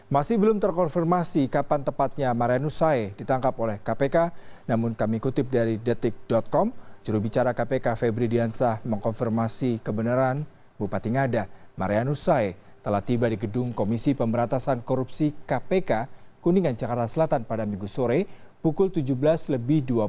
masih belum terkonfirmasi kapan tepatnya marianusae ditangkap oleh kpk namun kami kutip dari detik com jurubicara kpk febri diansah mengkonfirmasi kebenaran bupati ngada marianusae telah tiba di gedung komisi pemberantasan korupsi kpk kuningan jakarta selatan pada minggu selatan